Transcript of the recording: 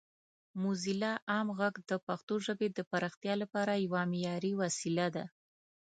موزیلا عام غږ د پښتو ژبې د پراختیا لپاره یوه معیاري وسیله ده.